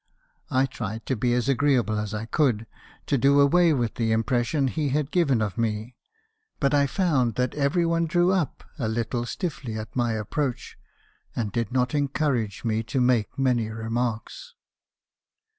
I tried to be as agreeable as I could, to do away with the impression he had given of me ; but I found that every one drew up a little stiffly at my approach, and did not encourage me to make many remarks.